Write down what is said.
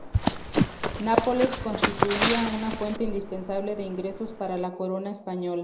Nápoles constituía una fuente indispensable de ingresos para la corona española.